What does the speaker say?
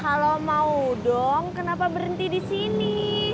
halo mau dong kenapa berhenti di sini